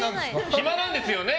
暇なんですよね？